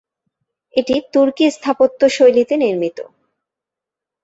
এটি তুর্কি স্থাপত্য শৈলীতে নির্মিত।